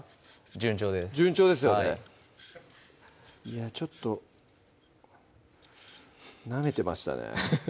順調です順調ですよねはいいやちょっとなめてましたね